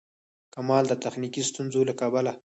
کمال د تخنیکي ستونزو له کبله.